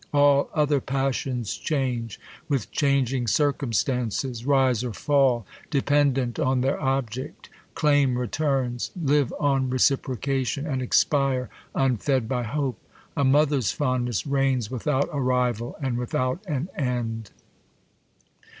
All other passions change, With changing circumstances : rise or fall, ; Dependant on their object ; claim returns ; Live on reciprocation, and expire Unfed by hope. A mother's fondness reigns Without a rival, and without an end.